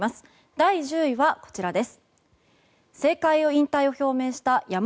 第９位はこちらです。